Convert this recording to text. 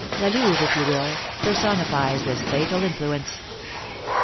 La Louve, if you will, personifies this fatal influence.